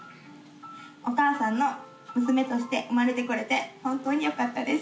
お母さんの娘として生まれてこれて本当によかったです。